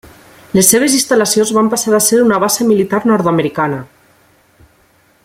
Les seves instal·lacions van passar a ser una base militar nord-americana.